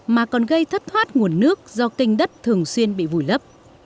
mà còn gây thất thoát nguồn nước do kinh đất thường xuyên bị vùi lấp